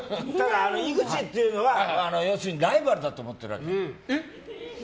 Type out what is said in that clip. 井口っていうのは、要するにライバルだと思ってるわけ。